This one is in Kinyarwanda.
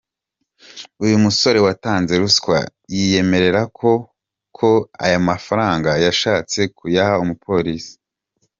Uyu musore watanze ruswa, yiyemerera ko koko ayo mafaranga yashatse kuyaha umupolisi.